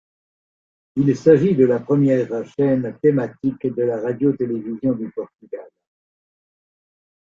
Il s'agit de la première chaîne thématique de la Radio-télévision du Portugal.